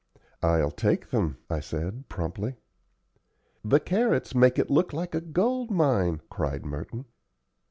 "I'll take them," I said, promptly. "The carrots make it look like a gold mine," cried Merton.